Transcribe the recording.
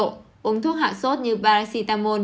uống thuốc hạ sốt như paracetamol